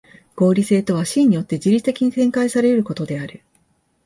合理的とは思惟によって自律的に展開され得ることである。